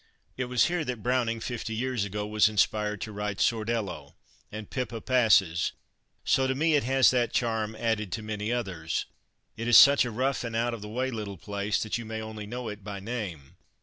It was here that Browning fifty years ago was inspired to write 'Sordello' and 'Pippa Passes,' so to me it has that charm added to many others. It is such a rough and out of the way little place that you may only know it by name.